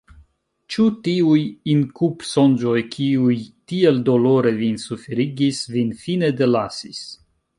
Ĉu tiuj inkubsonĝoj, kiuj tiel dolore vin suferigis, vin fine delasis?